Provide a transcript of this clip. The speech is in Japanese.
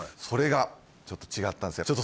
それがちょっと違ったんですよ